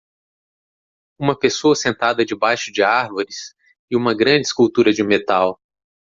Uma pessoa sentada debaixo de árvores e uma grande escultura de metal.